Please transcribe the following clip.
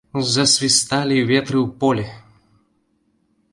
Засвісталі ветры ў полі!